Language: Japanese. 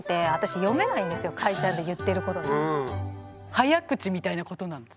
早口みたいなことなんです？